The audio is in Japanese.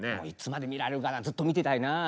いつまで見られるかなずっと見てたいな。